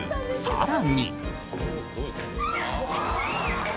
更に。